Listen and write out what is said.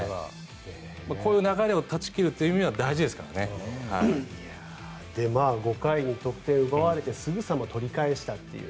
こういう流れを断ち切るという意味では５回に得点を奪われてすぐさま取り返したという。